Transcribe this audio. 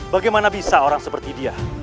bagaimana bisa orang seperti dia